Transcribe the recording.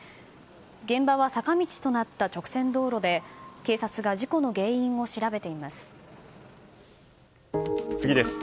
現場は坂道となった直線道路で警察が事故の原因を調べています。